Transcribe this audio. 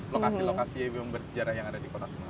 lokasi lokasi bersejarah yang ada di kota semarang